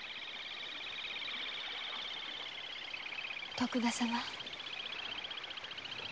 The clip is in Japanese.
徳田様。